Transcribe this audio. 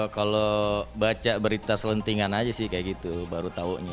kalau baca berita selentingan aja sih kayak gitu baru taunya